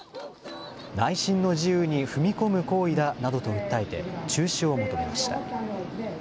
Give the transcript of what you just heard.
内心の自由に踏み込む行為だなどと訴えて、中止を求めました。